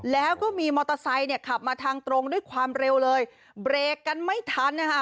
แล้วก็มีมอเตอร์ไซค์เนี่ยขับมาทางตรงด้วยความเร็วเลยเบรกกันไม่ทันนะคะ